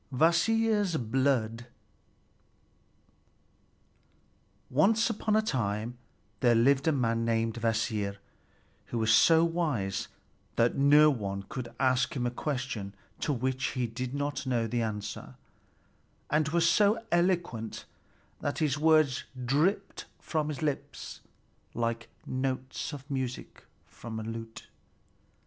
KVASIR'S BLOOD Once upon a time there lived a man named Kvasir, who was so wise that no one could ask him a question to which he did not know the answer, and who was so eloquent that his words dripped from his lips like notes of music from a lute.